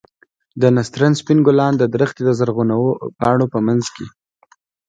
د نسترن سپين ګلان د درختې د زرغونو پاڼو په منځ کښې.